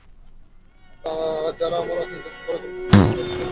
যারা আমার নিদর্শন ও পরকালে সাক্ষাৎকে অস্বীকার করে তাদের কার্য নিষ্ফল হয়।